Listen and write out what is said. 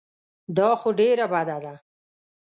دا خو ډېره بده ده.